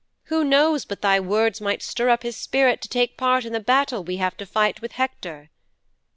Who knows but thy words might stir up his spirit to take part in the battle we have to fight with Hector?"'